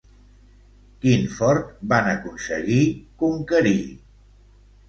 Quin fort van aconseguir conquistar?